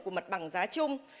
của mặt bằng giá chung